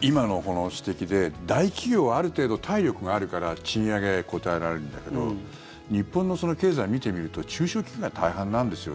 今のこの指摘で大企業はある程度体力があるから賃上げ、応えられるんだけど日本の経済を見てみると中小企業が大半なんですよね。